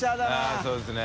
◆舛そうですね。